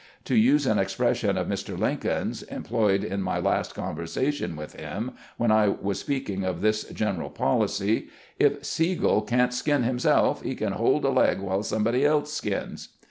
To use an expression of Mr. Lincoln's, employed in my last conversation with him, when I was speaking of this general policy, ' If Sigel can't skin himself, he can hold a leg while somebody else skins.'